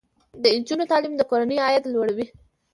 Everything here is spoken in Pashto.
د نجونو تعلیم د کورنۍ عاید لوړوي.